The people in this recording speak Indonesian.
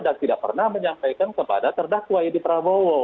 dan tidak pernah menyampaikan kepada terdakwa yedipra bowo